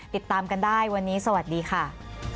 ติดตามกันได้วันนี้สวัสดีค่ะ